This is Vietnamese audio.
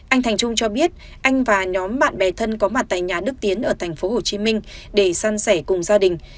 anh thành trung cho biết anh và nhóm bạn bè thân có mặt tại nhà đức tiến ở tp hcm để săn sẻ cùng gia đình